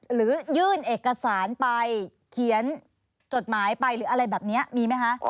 หรือยื่นเอกสารไปเขียนจดหมายไปหรืออะไรแบบนี้มีไหมคะ